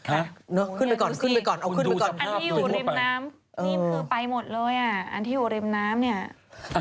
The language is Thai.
อันนี้อยู่ริมน้ำนี่คือไปหมดเลยอันที่อยู่ริมน้ำ